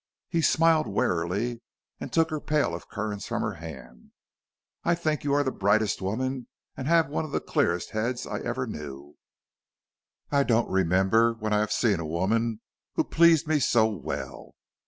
He smiled warily and took her pail of currants from her hand. "I think you are the brightest woman and have one of the clearest heads I ever knew. I don't remember when I have seen a woman who pleased me so well.